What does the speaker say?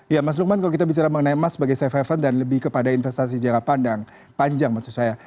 ya mas lukman kalau kita bicara mengenai emas sebagai safe haven dan lebih kepada investasi jangka panjang maksud saya